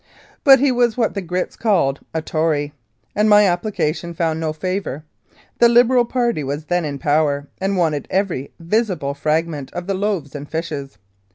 But he was what the Grits called "a Tory," and my application found no favour. The Liberal party was then in power, and wanted every visible frag ment of the loaves and fishes.